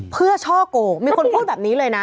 เพื่อช่อโกงมีคนพูดแบบนี้เลยนะ